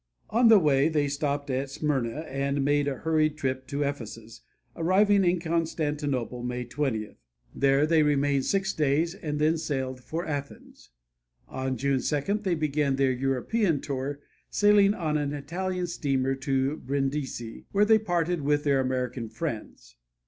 On the way they stopped at Smyrna and made a hurried trip to Ephesus, arriving in Constantinople May 20. There they remained six days and then sailed for Athens. On June 2 they began their European tour, sailing on an Italian steamer to Brindisi, where they parted with their American friends.